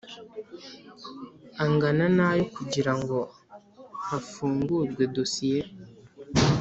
angana nayo kugira ngo hafungurwe dosiye